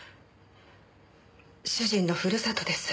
主人のふるさとです。